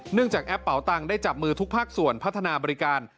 จากแอปเป่าตังค์ได้จับมือทุกภาคส่วนพัฒนาบริการ